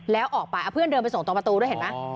แล้วออกไปเพื่อนเดินไปส่งตรงประตูด้วยเห็นไหม